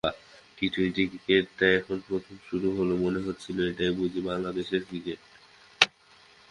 T twenty ক্রিকেটটা যখন প্রথম শুরু হলো, মনে হচ্ছিল এটাই বুঝি বাংলাদেশের ক্রিকেট।